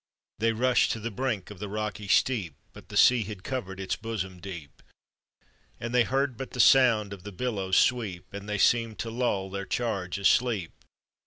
They rushed to the brink of the rocky steep. But the sea had covered its bosom deep, And they heard but the sound of the billows sweep As they seemed to lull their charge asleep.